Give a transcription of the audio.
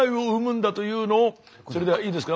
それではいいですか？